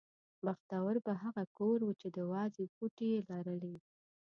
بختور به هغه کور و چې د وازې پوټې یې لرلې.